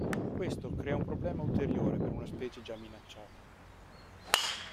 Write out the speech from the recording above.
Questo crea un problema ulteriore per una specie già minacciata.